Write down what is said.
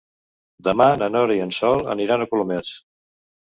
Demà na Nora i en Sol aniran a Colomers.